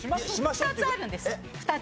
２つあるんです２つ。